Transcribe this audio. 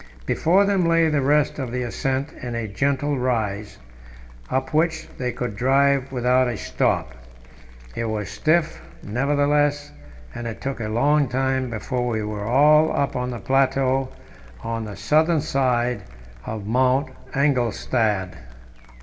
Before them lay the rest of the ascent in a gentle rise, up which they could drive without a stop. It was stiff, nevertheless, and it took a long time before we were all up on the plateau on the southern side of Mount Engelstad.